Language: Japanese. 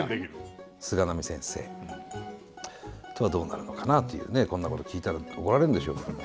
菅波先生とはどうなるのかなというねこんなこと聞いたら怒られるんでしょうけども。